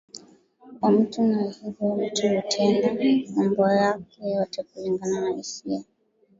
wa mtu Na hivyo mtu hutenda mambo yake yote kulingana na hisia